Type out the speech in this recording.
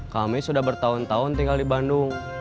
kami sudah bertahun tahun tinggal di bandung